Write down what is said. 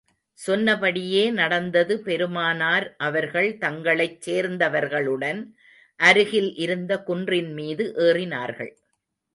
சொன்னபடியே நடந்தது பெருமானார் அவர்கள் தங்களைச் சேர்ந்தவர்களுடன், அருகில் இருந்த குன்றின் மீது ஏறினார்கள்.